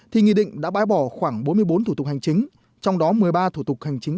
thì nghị định đã bái bỏ khoảng bốn mươi bốn thủ tục hành chính trong đó một mươi ba thủ tục hành chính